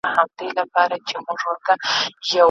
زلمو به زړونه ښکلیو نجونو ته وړیا ورکول